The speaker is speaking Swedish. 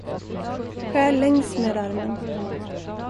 Skär längs med armen.